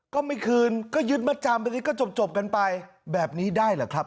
ก็ไม่คืนก็ยึดมัดจำไปก็จบกันไปแบบนี้ได้เหรอครับ